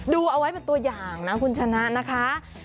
ดูเอาไว้เป็นตัวอย่างนะคุณชนะนะคะ